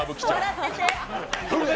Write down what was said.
笑ってて。